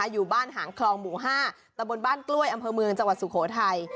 อยู่บ้านหางคลองหมู่๕ตะบนบ้านกล้วยอำเภอเมืองจังหวัดสุโขทัย